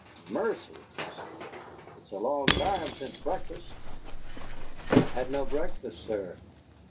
"Mercy!" he said. "It is a long time since breakfast." "I had no breakfast, sir."